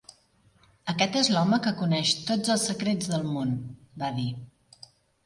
"Aquest és l'home que coneix tots els secrets del món", va dir.